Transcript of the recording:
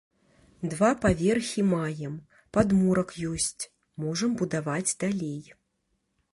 Два паверхі маем, падмурак ёсць, можам будаваць далей.